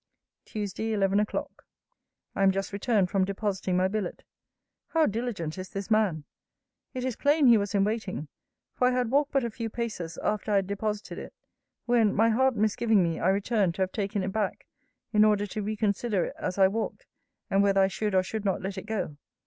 TUESDAY, ELEVEN O'CLOCK. I am just returned from depositing my billet. How diligent is this man! It is plain he was in waiting: for I had walked but a few paces, after I had deposited it, when, my heart misgiving me, I returned, to have taken it back, in order to reconsider it as I walked, and whether I should or should not let it go.